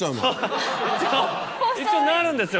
一応なるんですよ